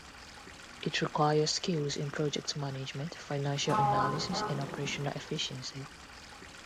It requires skills in project management, financial analysis, and operational efficiency.